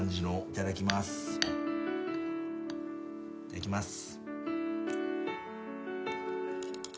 いただきます。